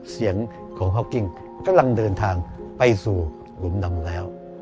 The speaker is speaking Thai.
เสียงของฮอกกิ้งกำลังเดินทางไปสู่หลุมดำแล้ว